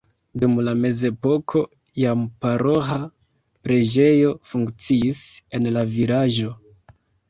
Dum la mezepoko jam paroĥa preĝejo funkciis en la vilaĝo.